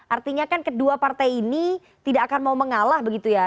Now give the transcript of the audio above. artinya kan kedua partai ini tidak akan mau mengalah begitu ya